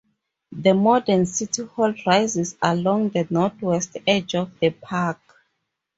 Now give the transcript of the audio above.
The modern city hall rises along the northwest edge of the park.